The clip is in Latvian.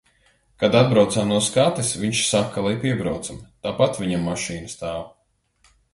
Kad atbraucām no skates, viņš saka, lai piebraucam, tāpat viņam mašīna stāv.